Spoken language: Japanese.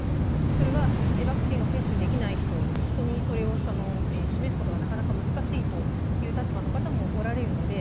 それはワクチンを接種できない人人にそれを示すことがなかなか難しいという立場の方もおられるので。